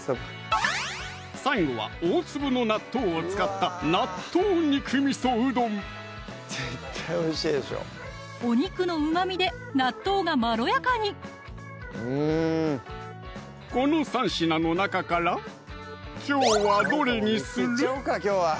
最後は大粒の納豆を使ったお肉のうまみで納豆がまろやかにこの３品の中からきょうはどれにする？